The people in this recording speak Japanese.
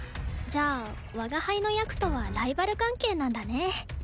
じゃあ我が輩の役とはライバル関係なんだね。